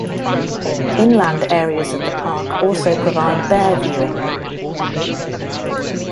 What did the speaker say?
Inland areas of the park also provide bear viewing.